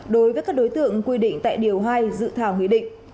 đối với các đối tượng quy định tại điều hai dự thảo nghị định